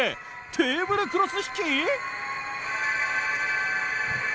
テーブルクロス。